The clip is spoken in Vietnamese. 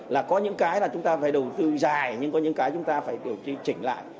là có những cái là chúng ta phải đầu tư dài nhưng có những cái chúng ta phải điều chỉnh lại